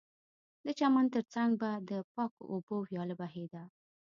د چمن ترڅنګ به د پاکو اوبو ویاله بهېده